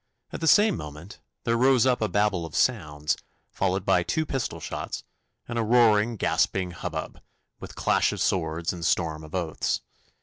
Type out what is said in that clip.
At the same moment there rose up a babel of sounds, followed by two pistol shots, and a roaring, gasping hubbub, with clash of swords and storm of oaths.